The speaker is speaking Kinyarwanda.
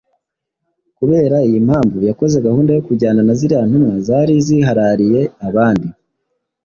Kubera iyi mpamvu yakoze gahunda yo kujyana na ziriya ntumwa zari ziharariye abandi